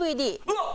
うわっ！